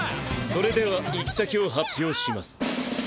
それでは行き先を発表します。